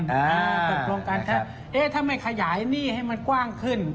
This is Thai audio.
เปิดโปรงการถ้าไม่ขยายหนี้ให้มันกว้างขึ้น